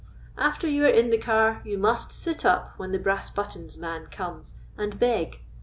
"After you are in the car you must sit up when the brass buttons man comes and beg.